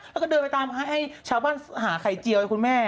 แล้วก็เดินไปตามให้ชาวบ้านหาไข่เจียวให้คุณแม่